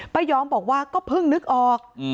ยอมบอกว่าก็เพิ่งนึกออก